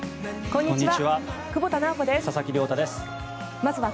こんにちは。